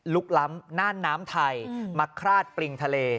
ล้ำน่านน้ำไทยมาคราดปริงทะเล